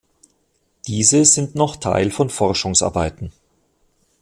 Diese sind noch Teil von Forschungsarbeiten.